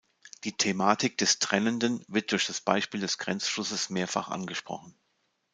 Die Thematik des Trennenden wird durch das Beispiel des Grenzflusses mehrfach angesprochen.